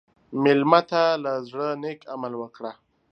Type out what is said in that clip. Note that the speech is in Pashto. مېلمه ته له زړه نیک عمل وکړه.